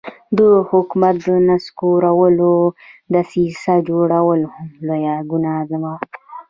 د حکومت د نسکورولو دسیسه جوړول هم لویه ګناه وه.